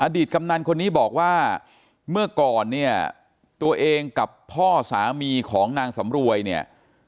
ตกำนันคนนี้บอกว่าเมื่อก่อนเนี่ยตัวเองกับพ่อสามีของนางสำรวยเนี่ย